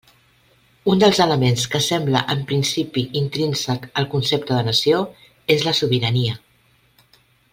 Un dels elements que sembla en principi intrínsec al concepte de nació és la sobirania.